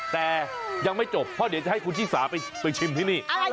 แต่ยังไม่จบเพราะเดี๋ยวจะให้คุณชิสาไปชิมที่นี่